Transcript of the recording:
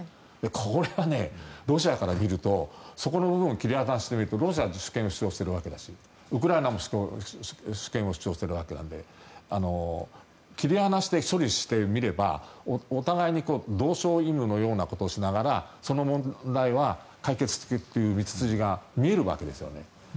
これはロシアから見るとそこの部分を切り離してみるとロシアは主権を主張しているわけだしウクライナも主権を主張しているので切り離して処理してみればお互いに同床異夢というその中にいながらその問題は解決していくという道筋が見えるわけですね。